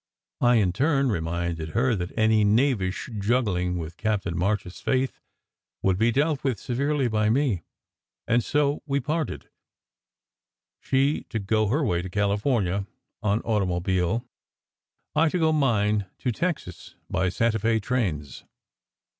I, in turn, reminded her that any knavish juggling with Captain March s faith would be dealt with severely by me; and so we parted, 90 SECRET HISTORY she to go her way to California en automobile, I to go mine to Texas by Santa Fe trains.